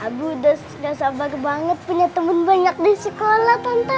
abi udah gak sabar banget punya temen banyak di sekolah tante